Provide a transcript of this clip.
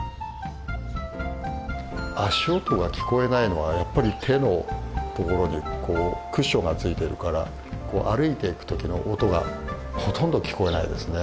足音が聞こえないのはやっぱり手のところにこうクッションがついてるから歩いていく時の音がほとんど聞こえないですね。